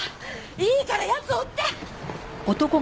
いいから奴を追って！